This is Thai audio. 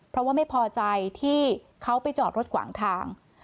เพราะว่าไม่พอใจที่เขาไปจอดรถขวางทาง